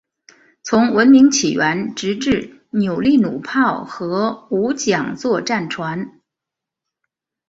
从文明起源直至扭力弩炮和五桨座战船。